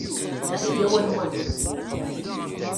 Ayaw ad nwali.